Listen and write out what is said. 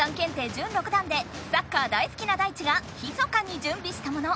準六段でサッカー大すきなダイチがひそかにじゅんびしたもの。